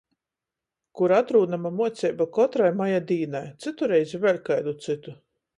Kur atrūnama muoceiba kotrai maja dīnai, cytu reizi vēļ kaidu cytu.